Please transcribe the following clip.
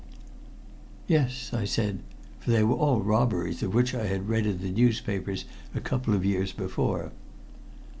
"Yes," I said, for they were all robberies of which I had read in the newspapers a couple of years before.